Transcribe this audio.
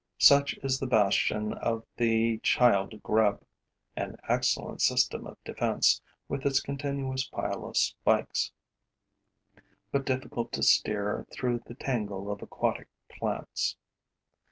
Such is the bastion of the child grub, an excellent system of defense, with its continuous pile of spikes, but difficult to steer through the tangle of aquatic plants.